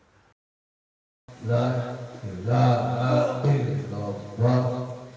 la ilaha illallah itu langsung menyentuh ke kolpunya